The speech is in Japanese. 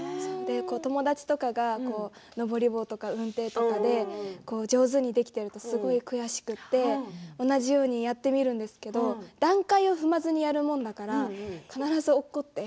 友達とか、のぼり棒とかうんていとか上手にできているとすごく悔しくて同じようにやってみるんですけど段階を踏まずにやるものだから必ず、落っこちて。